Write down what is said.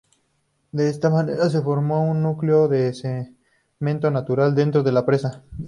De esta manera se formó un núcleo de cemento natural dentro de la presa.